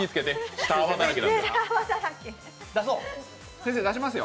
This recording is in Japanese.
先生、出しますよ。